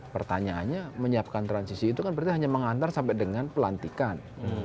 pertanyaannya menyiapkan transisi itu kan berarti hanya mengantar sampai dengan pelantikan